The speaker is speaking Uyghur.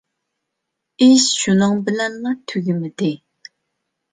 ئىش شۇنىڭ بىلەنلا تۈگىمىدى.